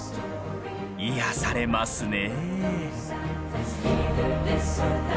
癒やされますね。